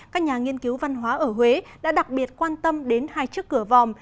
các nhà nghiên cứu văn hóa ở huế đã đặc biệt quan tâm đến hai chiếc cửa vòm